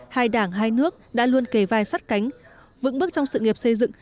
hai đảng hai nước đã luôn kề vai sắt cánh vững bước trong sự nghiệp xây dựng